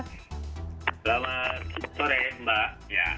selamat sore mbak